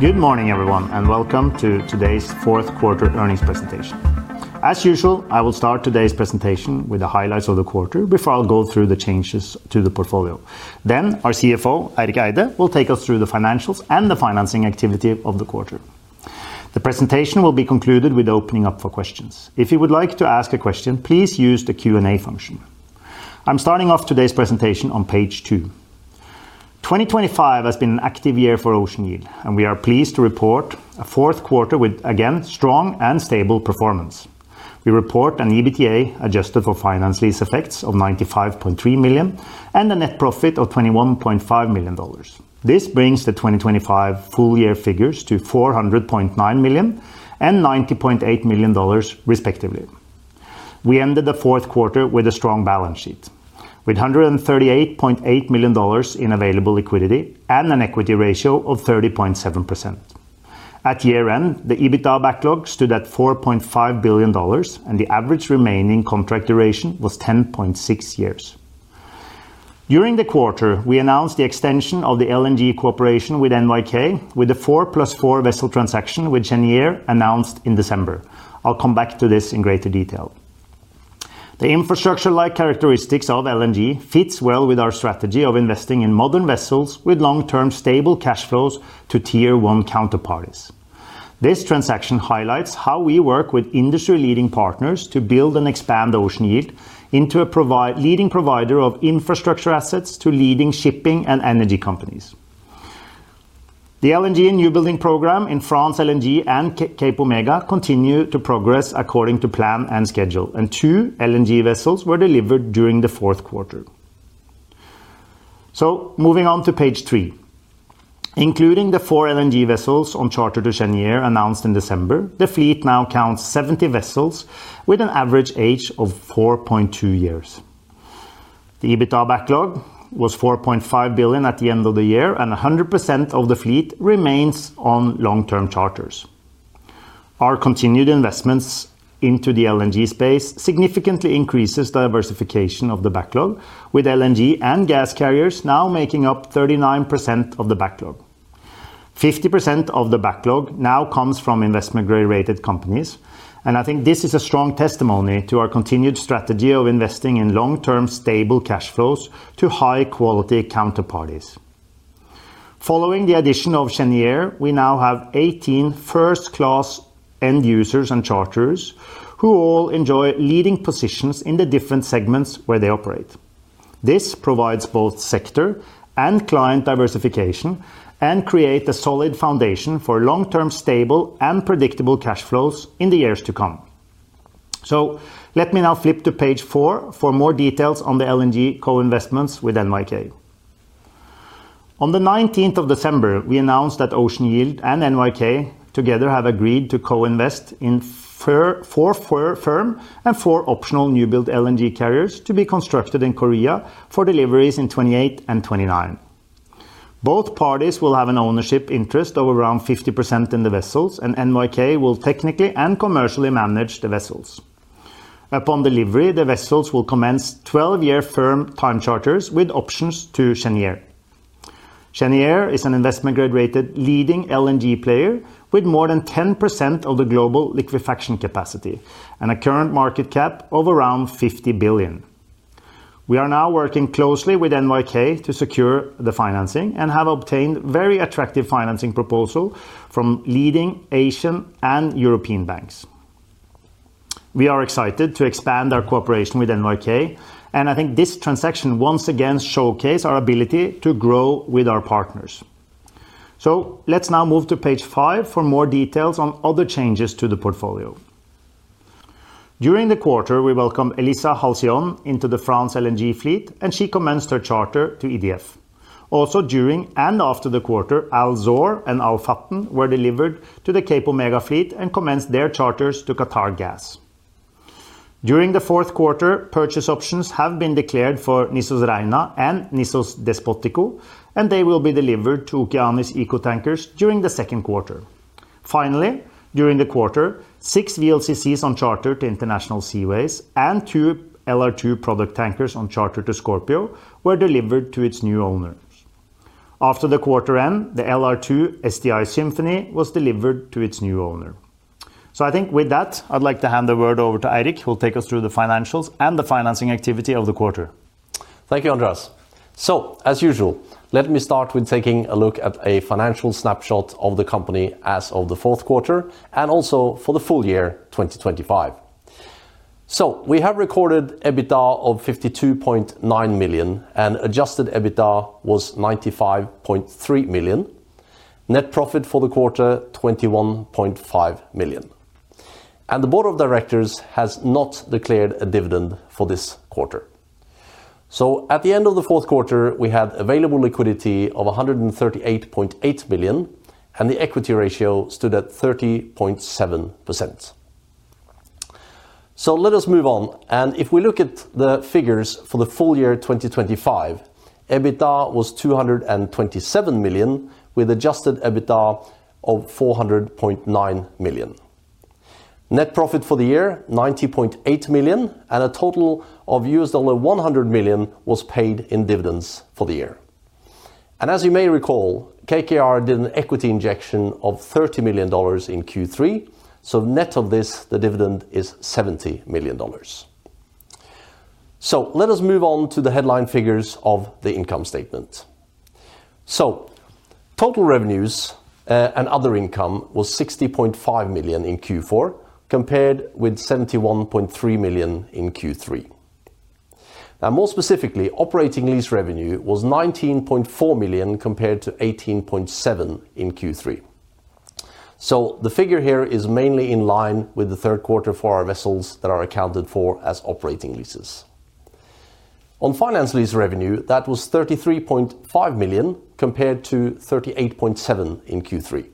Good morning, everyone. Welcome to today's fourth quarter earnings presentation. As usual, I will start today's presentation with the highlights of the quarter before I'll go through the changes to the portfolio. Our CFO, Eirik Eide, will take us through the financials and the financing activity of the quarter. The presentation will be concluded with opening up for questions. If you would like to ask a question, please use the Q&A function. I'm starting off today's presentation on page two. 2025 has been an active year for Ocean Yield, and we are pleased to report a fourth quarter with, again, strong and stable performance. We report an EBITDA adjusted for finance lease effects of $95.3 million, and a net profit of $21.5 million. This brings the 2025 full year figures to $400.9 million and $90.8 million, respectively. We ended the fourth quarter with a strong balance sheet, with $138.8 million in available liquidity and an equity ratio of 30.7%. At year-end, the EBITDA backlog stood at $4.5 billion, and the average remaining contract duration was 10.6 years. During the quarter, we announced the extension of the LNG cooperation with NYK, with a four plus four vessel transaction, which Cheniere announced in December. I'll come back to this in greater detail. The infrastructure-like characteristics of LNG fits well with our strategy of investing in modern vessels with long-term stable cash flows to Tier One counterparties. This transaction highlights how we work with industry-leading partners to build and expand Ocean Yield into a leading provider of infrastructure assets to leading shipping and energy companies. The LNG new building program in France LNG and Cape Omega continue to progress according to plan and schedule, and two LNG vessels were delivered during the fourth quarter. Moving on to page three. Including the four LNG vessels on charter to Cheniere announced in December, the fleet now counts 70 vessels with an average age of 4.2 years. The EBITDA backlog was $4.5 billion at the end of the year, and 100% of the fleet remains on long-term charters. Our continued investments into the LNG space significantly increases diversification of the backlog, with LNG and gas carriers now making up 39% of the backlog. 50% of the backlog now comes from investment grade-rated companies. I think this is a strong testimony to our continued strategy of investing in long-term, stable cash flows to high-quality counterparties. Following the addition of Cheniere, we now have 18 first-class end users and charters who all enjoy leading positions in the different segments where they operate. This provides both sector and client diversification, and create a solid foundation for long-term, stable, and predictable cash flows in the years to come. Let me now flip to page four for more details on the LNG co-investments with NYK. On the 19th of December, we announced that Ocean Yield and NYK together have agreed to co-invest in four firm and four optional new-build LNG carriers to be constructed in Korea for deliveries in 2028 and 2029. Both parties will have an ownership interest of around 50% in the vessels, and NYK will technically and commercially manage the vessels. Upon delivery, the vessels will commence 12-year firm time charters with options to Cheniere. Cheniere is an investment grade-rated leading LNG player with more than 10% of the global liquefaction capacity and a current market cap of around $50 billion. We are now working closely with NYK to secure the financing and have obtained very attractive financing proposal from leading Asian and European banks. We are excited to expand our cooperation with NYK, and I think this transaction once again showcase our ability to grow with our partners. Let's now move to page five for more details on other changes to the portfolio. During the quarter, we welcomed Elisa Halcyon into the France LNG fleet, and she commenced her charter to EDF. During and after the quarter, Al Zour and Al Fattan were delivered to the Cape Omega fleet and commenced their charters to Qatargas. During the fourth quarter, purchase options have been declared for Nissos Rhenia and Nissos Despotiko, and they will be delivered to Okeanis Eco Tankers during the second quarter. During the quarter, six VLCCs on charter to International Seaways and two LR2 product tankers on charter to Scorpio were delivered to its new owners. After the quarter end, the LR2 STI Symphony was delivered to its new owner. I think with that, I'd like to hand the word over to Eirik, who will take us through the financials and the financing activity of the quarter. Thank you, Andreas. As usual, let me start with taking a look at a financial snapshot of the company as of the fourth quarter and also for the full year 2025. We have recorded EBITDA of $52.9 million, and adjusted EBITDA was $95.3 million. Net profit for the quarter, $21.5 million. The board of directors has not declared a dividend for this quarter. At the end of the fourth quarter, we had available liquidity of $138.8 million, and the equity ratio stood at 30.7%. Let us move on. If we look at the figures for the full year 2025, EBITDA was $227 million, with adjusted EBITDA of $400.9 million. Net profit for the year, $90.8 million. A total of $100 million was paid in dividends for the year. As you may recall, KKR did an equity injection of $30 million in Q3, so net of this, the dividend is $70 million. Let us move on to the headline figures of the income statement. Total revenues and other income was $60.5 million in Q4, compared with $71.3 million in Q3. More specifically, operating lease revenue was $19.4 million, compared to $18.7 million in Q3. The figure here is mainly in line with the third quarter for our vessels that are accounted for as operating leases. On finance lease revenue, that was $33.5 million, compared to $38.7 million in Q3.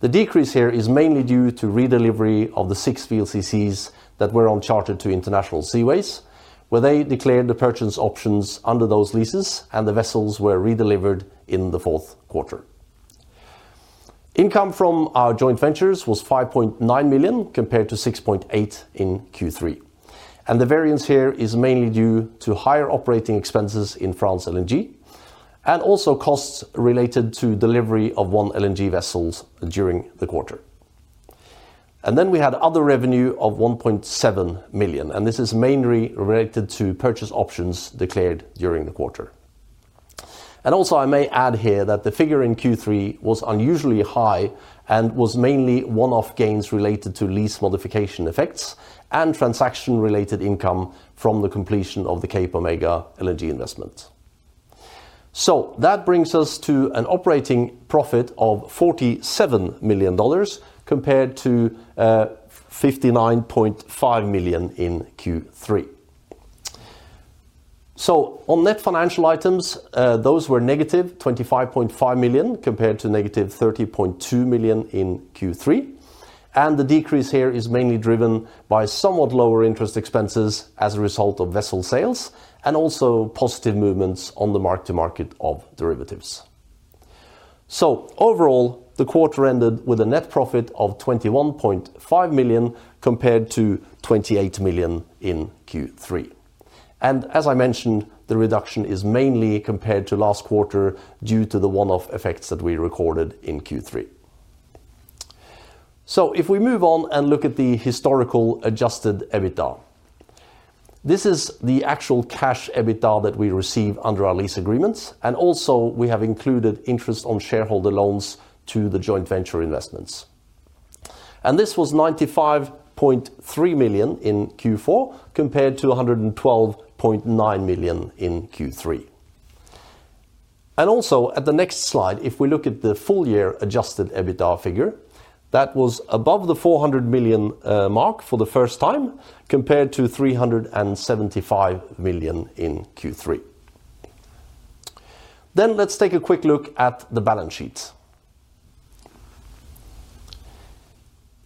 The decrease here is mainly due to redelivery of the six VLCCs that were on charter to International Seaways, where they declared the purchase options under those leases, and the vessels were redelivered in the fourth quarter. Income from our joint ventures was $5.9 million, compared to $6.8 million in Q3, and the variance here is mainly due to higher operating expenses in France LNG, and also costs related to delivery of one LNG vessels during the quarter. We had other revenue of $1.7 million, and this is mainly related to purchase options declared during the quarter. I may add here that the figure in Q3 was unusually high and was mainly one-off gains related to lease modification effects and transaction-related income from the completion of the Cape Omega LNG investment. That brings us to an operating profit of $47 million, compared to $59.5 million in Q3. On net financial items, those were negative $25.5 million, compared to negative $30.2 million in Q3. The decrease here is mainly driven by somewhat lower interest expenses as a result of vessel sales, also positive movements on the mark-to-market of derivatives. Overall, the quarter ended with a net profit of $21.5 million, compared to $28 million in Q3. As I mentioned, the reduction is mainly compared to last quarter due to the one-off effects that we recorded in Q3. If we move on and look at the historical adjusted EBITDA, this is the actual cash EBITDA that we receive under our lease agreements, also we have included interest on shareholder loans to the joint venture investments. This was $95.3 million in Q4, compared to $112.9 million in Q3. Also, at the next slide, if we look at the full year adjusted EBITDA figure, that was above the $400 million mark for the first time, compared to $375 million in Q3. Let's take a quick look at the balance sheet.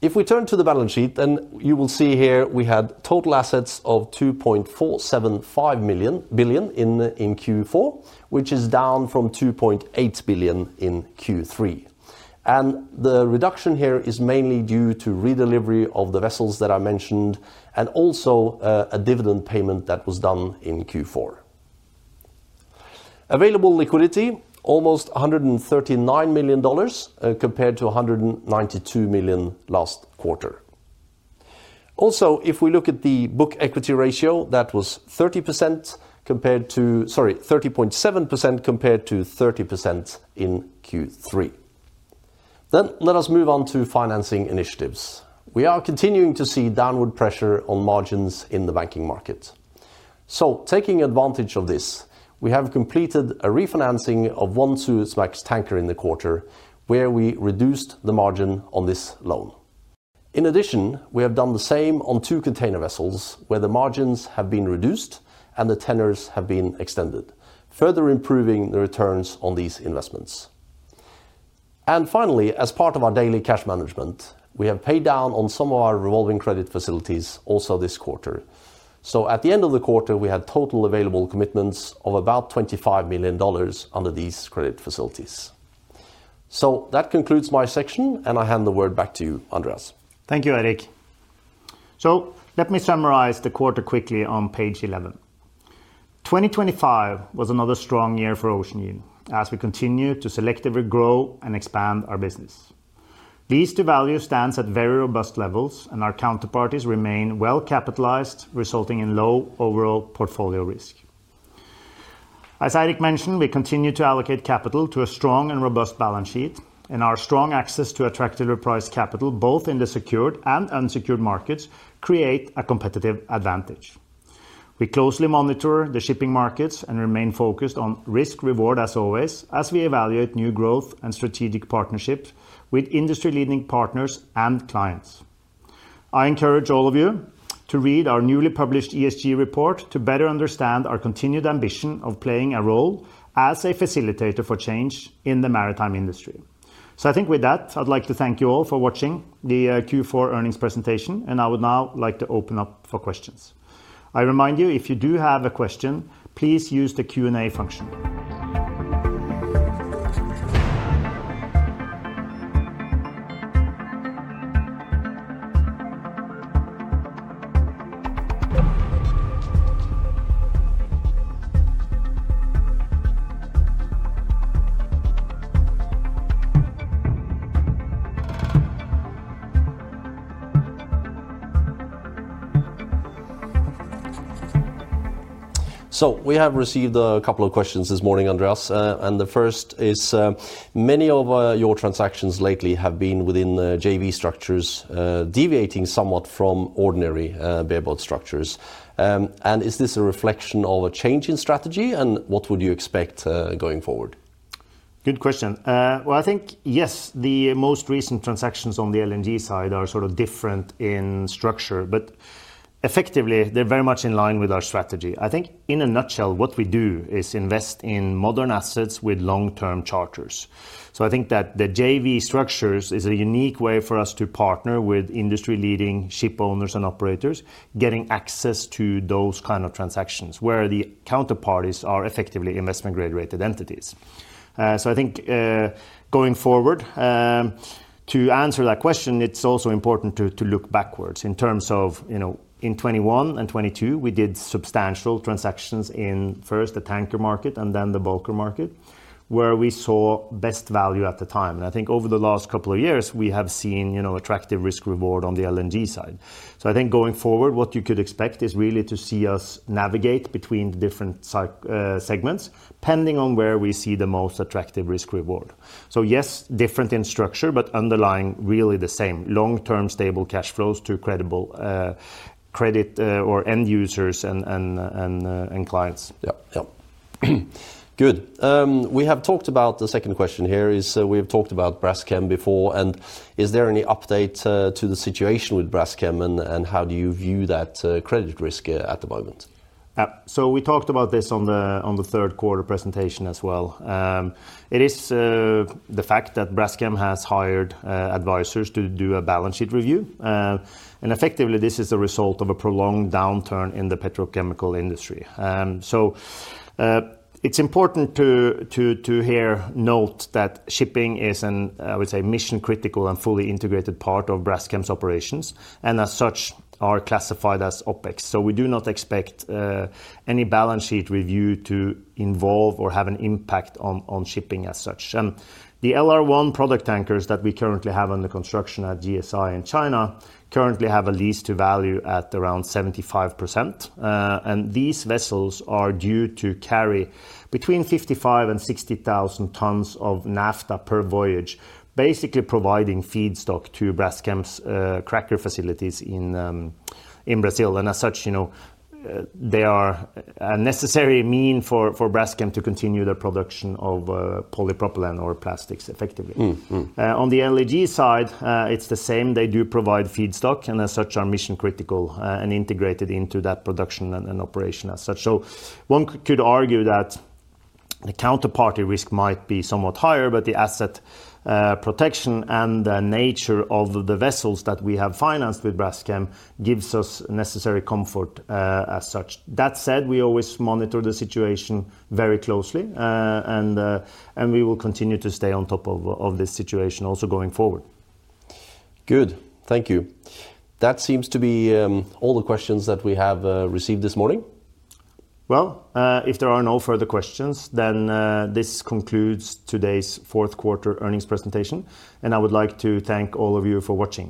If we turn to the balance sheet, you will see here we had total assets of $2.475 billion in Q4, which is down from $2.8 billion in Q3. The reduction here is mainly due to redelivery of the vessels that I mentioned and also, a dividend payment that was done in Q4. Available liquidity, almost $139 million, compared to $192 million last quarter. If we look at the book equity ratio, that was 30.7% compared to 30% in Q3. Let us move on to financing initiatives. Taking advantage of this, we have completed a refinancing of one Suezmax tanker in the quarter, where we reduced the margin on this loan. In addition, we have done the same on two container vessels, where the margins have been reduced and the tenors have been extended, further improving the returns on these investments. Finally, as part of our daily cash management, we have paid down on some of our revolving credit facilities also this quarter. At the end of the quarter, we had total available commitments of about $25 million under these credit facilities. That concludes my section, and I hand the word back to you, Andreas. Thank you, Eirik. Let me summarize the quarter quickly on page 11. 2025 was another strong year for Ocean Yield, as we continued to selectively grow and expand our business. These two value stands at very robust levels, and our counterparties remain well-capitalized, resulting in low overall portfolio risk. As Eirik mentioned, we continue to allocate capital to a strong and robust balance sheet, and our strong access to attractive repriced capital, both in the secured and unsecured markets, create a competitive advantage. We closely monitor the shipping markets and remain focused on risk reward as always, as we evaluate new growth and strategic partnerships with industry-leading partners and clients. I encourage all of you to read our newly published ESG report to better understand our continued ambition of playing a role as a facilitator for change in the maritime industry. I think with that, I'd like to thank you all for watching the Q4 earnings presentation, and I would now like to open up for questions. I remind you, if you do have a question, please use the Q&A function. We have received a couple of questions this morning, Andreas, and the first is: many of your transactions lately have been within the JV structures, deviating somewhat from ordinary bareboat structures. Is this a reflection of a change in strategy, and what would you expect going forward? Good question. Well, I think, yes, the most recent transactions on the LNG side are sort of different in structure, but effectively, they're very much in line with our strategy. I think in a nutshell, what we do is invest in modern assets with long-term charters. I think that the JV structures is a unique way for us to partner with industry-leading ship owners and operators, getting access to those kind of transactions, where the counterparties are effectively investment-grade rated entities. I think, going forward, to answer that question, it's also important to look backwards in terms of, you know, in 2021 and 2022, we did substantial transactions in, first, the tanker market and then the bulker market, where we saw best value at the time. I think over the last couple of years, we have seen, you know, attractive risk-reward on the LNG side. I think going forward, what you could expect is really to see us navigate between the different segments, pending on where we see the most attractive risk-reward. Yes, different in structure, but underlying really the same long-term, stable cash flows to credible credit or end users and clients. Yep. Good. We have talked about the second question here, is we have talked about Braskem before, and is there any update to the situation with Braskem, and how do you view that credit risk at the moment? We talked about this on the third quarter presentation as well. It is the fact that Braskem has hired advisors to do a balance sheet review. Effectively, this is a result of a prolonged downturn in the petrochemical industry. It's important to here note that shipping is an, I would say, mission-critical and fully integrated part of Braskem's operations, and as such, are classified as OpEx. We do not expect any balance sheet review to involve or have an impact on shipping as such. The LR1 product tankers that we currently have under construction at GSI in China currently have a lease to value at around 75%. These vessels are due to carry between 55,000 and 60,000 tons of naphtha per voyage, basically providing feedstock to Braskem's cracker facilities in Brazil. As such, you know, they are a necessary mean for Braskem to continue their production of polypropylene or plastics, effectively. Mm-hmm. Mm-hmm. On the LNG side, it's the same. They do provide feedstock, and as such, are mission-critical, and integrated into that production and operation as such. One could argue that the counterparty risk might be somewhat higher, but the asset protection and the nature of the vessels that we have financed with Braskem gives us necessary comfort as such. That said, we always monitor the situation very closely, and we will continue to stay on top of this situation also going forward. Good. Thank you. That seems to be all the questions that we have received this morning. Well, if there are no further questions, then, this concludes today's fourth quarter earnings presentation, and I would like to thank all of you for watching.